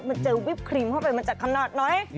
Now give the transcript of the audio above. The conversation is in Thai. มันเจอวิปครีมเข้าไปมันจะขนาดน้อย